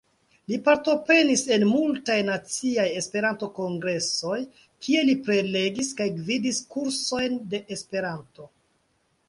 Li partoprenis en multaj naciaj Esperanto-kongresoj kie prelegis kaj gvidis kursojn de Esperanto.